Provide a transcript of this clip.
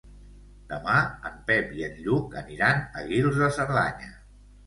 Demà en Pep i en Lluc aniran a Guils de Cerdanya.